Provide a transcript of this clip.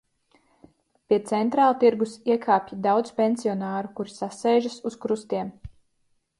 Pie Centrāltirgus iekāpj daudz pensionāru, kuri sasēžas uz krustiem.